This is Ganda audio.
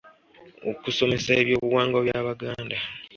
Okusomesa ebyobuwangwa by’Abaganda.